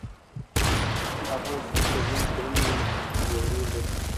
انار د ټولو افغان ښځو په ژوند کې هم یو رول لري.